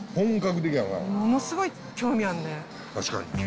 ものすごい興味あるね。